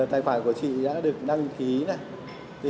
tài khoản của chị đã được đăng ký